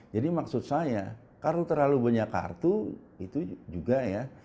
jadi maksud saya kalau terlalu banyak kartu itu juga ya